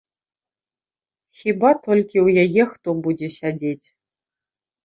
Хіба толькі ў яе хто будзе сядзець.